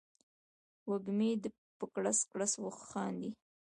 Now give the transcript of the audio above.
وږمې په کړس، کړس خاندي